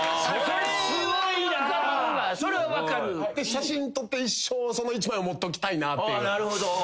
写真撮って一生その一枚を持っときたいなっていう。